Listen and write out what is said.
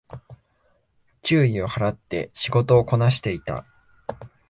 注意を払って仕事をこなしていた